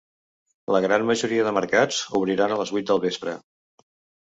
La gran majoria de mercats obriran a les vuit del vespre.